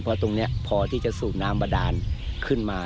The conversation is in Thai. เพราะตรงนี้พอที่จะสูบน้ำประดานขึ้นมา